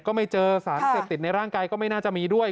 ก็ไม่เจอสารเสพติดในร่างกายก็ไม่น่าจะมีด้วย